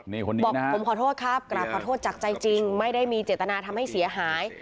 นี่คนนี้บอกผมขอโทษครับกราบขอโทษจากใจจริงไม่ได้มีเจตนาทำให้เสียหาย